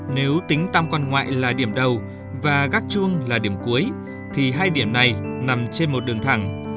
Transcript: nếu tính tam quan ngoại là điểm đầu và gác chuông là điểm cuối thì hai điểm này nằm trên một đường thẳng